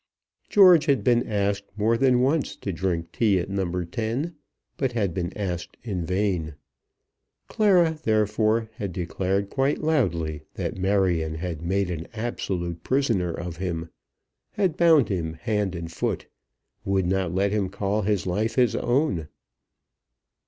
George had been asked more than once to drink tea at No. 10, but had been asked in vain. Clara, therefore, had declared quite loudly that Marion had made an absolute prisoner of him, had bound him hand and foot, would not let him call his life his own.